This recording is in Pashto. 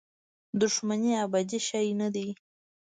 دښمني ابدي شی نه دی.